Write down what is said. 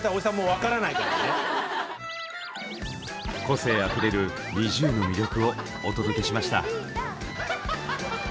個性あふれるＮｉｚｉＵの魅力をお届けしました！